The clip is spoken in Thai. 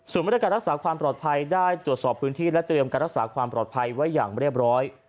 ส่วนบริการรักษาความปลอดภัยได้ตรวจสอบพื้นที่และเตรียมการรักษาความปลอดภัยไว้อย่างเรียบร้อย